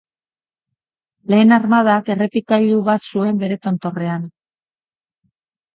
Lehen armadak errepikagailu bat zuen bere tontorrean.